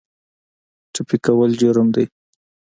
ټپي کول جرم دی.